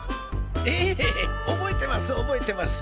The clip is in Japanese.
ええ覚えてます覚えてます。